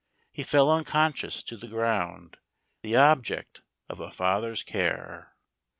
He fell unconscious to the ground, The object of a Father's care.